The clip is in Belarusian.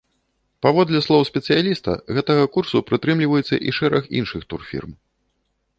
Паводле слоў спецыяліста, гэтага курсу прытрымліваецца і шэраг іншых турфірм.